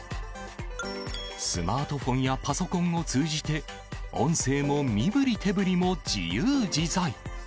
スマートフォンやパソコンを通じて音声も身振り手振りも自由自在。